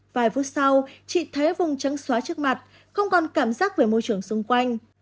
vài phút sau chị thấy vùng trắng xóa trước mặt không còn cảm giác về môi trường xung quanh